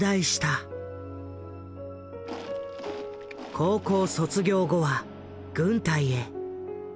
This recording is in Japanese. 高校卒業後は軍隊へ。